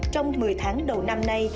trong một mươi tháng đầu năm nay